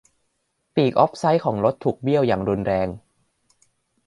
ปีกออฟไซด์ของรถถูกเบี้ยวอย่างรุนแรง